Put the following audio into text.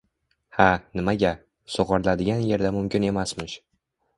Ha, nimaga? Sug‘oriladigan yerda mumkin emasmish.